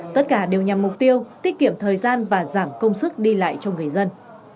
tất cả đều nhằm mục tiêu tiết kiệm thời gian và giảm công sức đi lại cho người dân